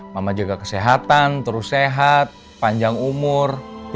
mama jaga kesehatan terus sehat panjang umur